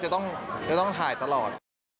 แล้วต้องถ่ายตลอด